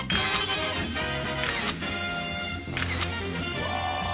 うわ。